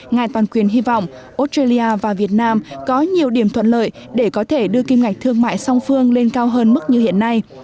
ngài toàn quyền hy vọng australia và việt nam có nhiều điểm thuận lợi để có thể đưa kim ngạch thương mại song phương lên cao hơn mức như hiện nay